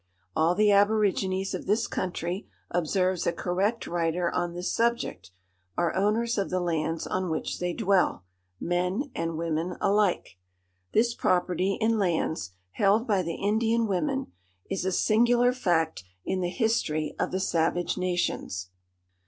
All the aborigines of this country, observes a correct writer on this subject, are owners of the lands on which they dwell—men and women alike. This property in lands, held by the Indian women, is a singular fact in the history of the savage nations.